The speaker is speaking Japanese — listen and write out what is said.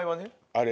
あれ。